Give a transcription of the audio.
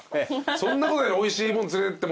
そんなことよりおいしいもん連れてってもらって。